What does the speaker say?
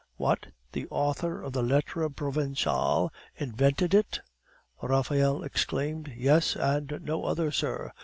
"What! the author of the Lettres provinciales invented it?" Raphael exclaimed. "He and no other, sir.